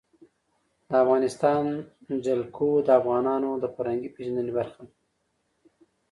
د افغانستان جلکو د افغانانو د فرهنګي پیژندنې برخه ده.